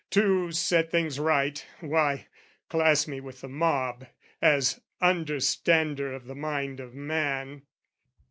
To set things right, why, class me with the mob As understander of the mind of man!